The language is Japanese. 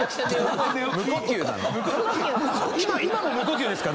今も無呼吸ですか？